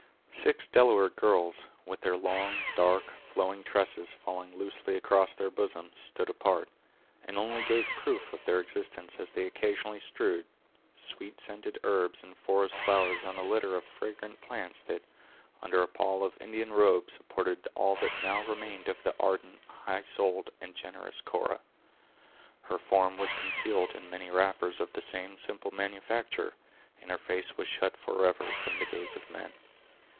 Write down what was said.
Six Delaware girls, with their long, dark, flowing tresses falling loosely across their bosoms, stood apart, and only gave proof of their existence as they occasionally strewed sweet scented herbs and forest flowers on a litter of fragrant plants that, under a pall of Indian robes, supported all that now remained of the ardent, high souled, and generous Cora. Her form was concealed in many wrappers of the same simple manufacture, and her face was shut forever from the gaze of men.